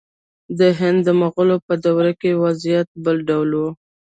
د هند د مغولو په دور کې وضعیت بل ډول و.